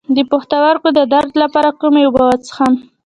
د پښتورګو د درد لپاره کومې اوبه وڅښم؟